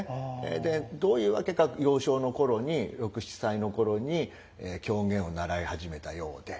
でどういうわけか幼少の頃に６７歳の頃に狂言を習い始めたようで。